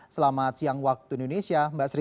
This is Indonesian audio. selamat siang waktu indonesia mbak sri